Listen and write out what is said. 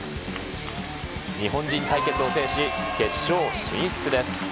日本人対決を制し、決勝進出です。